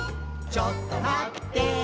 ちょっとまってぇー」